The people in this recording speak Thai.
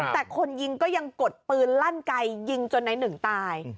แต่คนยิงก็ยังกดปืนลั่นไกยิงจนในหนึ่งตาย